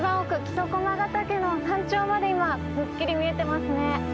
木曽駒ヶ岳の山頂まで今くっきり見えてますね。